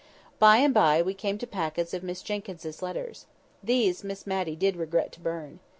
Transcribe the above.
By and by we came to packets of Miss Jenkyns's letters. These Miss Matty did regret to burn.